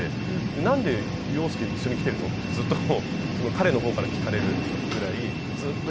「なんで洋輔一緒に来ているの？」ってずっと彼の方から聞かれるぐらいずっと一緒にいたんですけど。